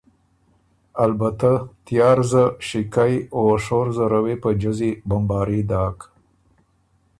البته تیارزه، شِکئ او شور زره وې په جزی بمباري داک۔